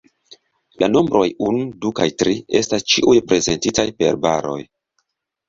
La nombroj unu, du kaj tri estas ĉiuj prezentitaj per baroj.